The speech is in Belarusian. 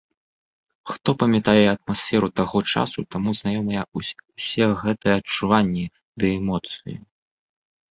Хто памятае атмасферу таго часу, таму знаёмыя ўсе гэтыя адчуванні ды эмоцыі.